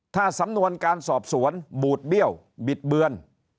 ถ้าสำนวนการสอบสวนบูดเบี้ยวบิดเบือน